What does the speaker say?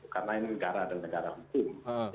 karena ini negara dan negara hukum